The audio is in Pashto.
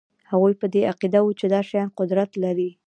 هغوی په دې عقیده وو چې دا شیان قدرت لري